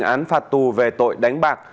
án phạt tù về tội đánh bạc